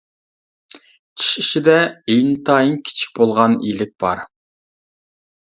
چىش ئىچىدە ئىنتايىن كىچىك بولغان يىلىك بار.